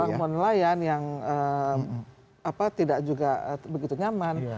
perang mohon nelayan yang tidak juga begitu nyaman